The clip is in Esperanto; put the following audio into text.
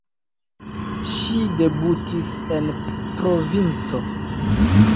Ŝi debutis en provinco.